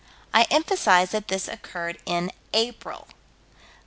I emphasize that this occurred in April.